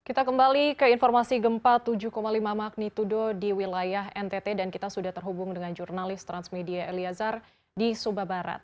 kita kembali ke informasi gempa tujuh lima magnitudo di wilayah ntt dan kita sudah terhubung dengan jurnalis transmedia eliazar di suba barat